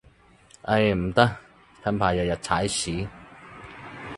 唉，唔得，近排日日踩屎